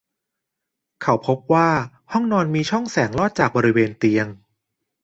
เขาพบว่าห้องนอนมีช่องแสงลอดจากบริเวณเตียง